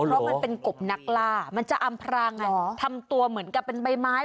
เพราะมันเป็นกบนักล่ามันจะอำพรางทำตัวเหมือนกับเป็นใบไม้